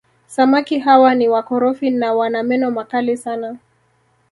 samaki hawa ni wakorofi na wana meno makali sana